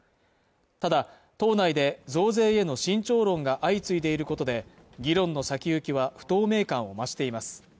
ただ党内で増税への慎重論が相次いでいることで議論の先行きは不透明感を増しています